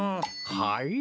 はい？